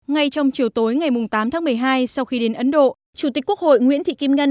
ngay trong chiều tối ngày tám tháng một mươi hai sau khi đến ấn độ chủ tịch quốc hội nguyễn thị kim ngân